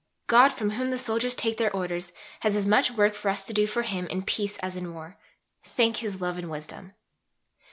God, from whom the soldiers take their orders, has as much work for us to do for Him in peace as in war thank His Love and Wisdom!